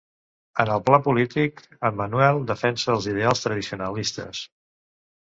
En el pla polític, en Manuel defenia els ideals tradicionalistes.